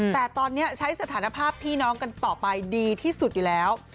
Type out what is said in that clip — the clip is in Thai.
แต่ตอนนี้ใช้สถานภาพพี่น้องกันต่อไปดีที่สุดอยู่แล้ว